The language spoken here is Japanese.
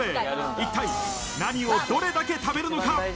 一体何をどれだけ食べるのか？